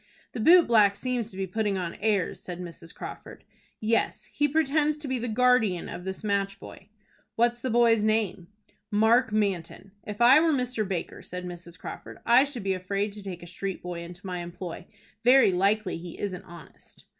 "The boot black seems to be putting on airs," said Mrs. Crawford. "Yes, he pretends to be the guardian of this match boy." "What's the boy's name?" "Mark Manton." "If I were Mr. Baker," said Mrs. Crawford, "I should be afraid to take a street boy into my employ. Very likely he isn't honest."